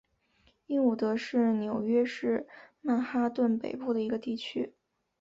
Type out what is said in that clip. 英伍德是纽约市曼哈顿北部的一个地区。